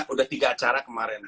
udah tiga acara kemarin